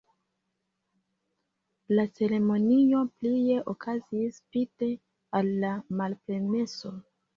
La ceremonioj plie okazis spite al la malpermeso.